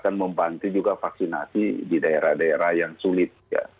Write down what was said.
nanti juga vaksinasi di daerah daerah yang sulit